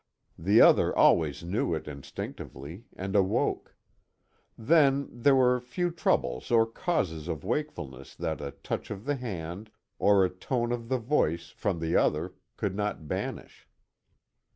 The other always knew it instinctively, and awoke. Then, there were few troubles or causes of wakefulness that a touch of the hand, or a tone of the voice, from the other, could not banish.